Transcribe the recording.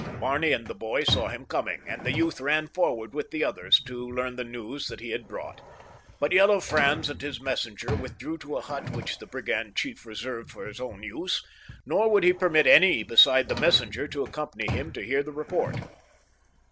Barney and the boy saw him coming, and the youth ran forward with the others to learn the news that he had brought; but Yellow Franz and his messenger withdrew to a hut which the brigand chief reserved for his own use, nor would he permit any beside the messenger to accompany him to hear the report.